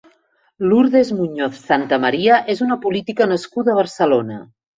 Lourdes Muñoz Santamaría és una política nascuda a Barcelona.